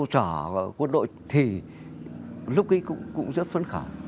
trở quân đội thì lúc ấy cũng rất phấn khảo